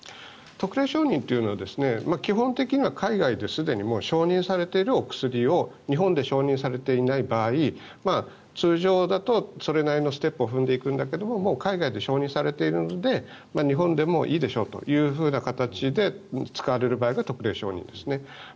特例承認というのは基本的には海外ですでに承認されているお薬を日本で承認されていない場合通常だとそれなりのステップを踏んでいくんだけど海外で承認されているので日本でもいいでしょうという形で使われる場合が特例承認ですね。